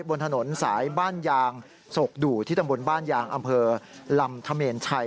บนถนนสายบ้านยางโศกดู่ที่ตำบลบ้านยางอำเภอลำธเมนชัย